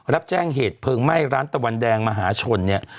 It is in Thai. รับแจ้งเหตุเพลิงไหม้ร้านตะวันแดงมหาชนเนี่ย